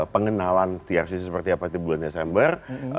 pengenalan trcc seperti apa itu bulan desember